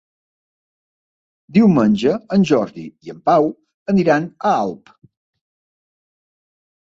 Diumenge en Jordi i en Pau aniran a Alp.